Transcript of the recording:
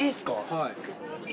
はい。